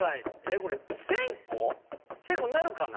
これ１０００個なるかな？